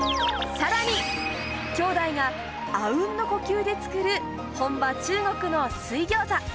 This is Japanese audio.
さらに、姉弟があうんの呼吸で作る本場、中国の水ギョーザ。